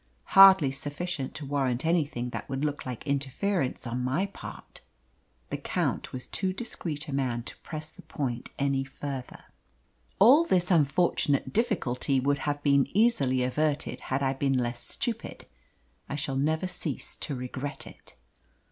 Hardly sufficient to warrant anything that would look like interference on my part." The Count was too discreet a man to press the point any further. "All this unfortunate difficulty would have been easily averted had I been less stupid. I shall never cease to regret it."